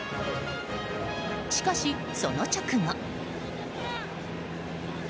しかし、その直後。